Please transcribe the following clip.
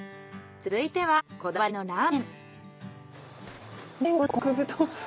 続いてはこだわりのラーメン。